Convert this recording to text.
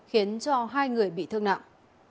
khiến cho hai người bị thương nặng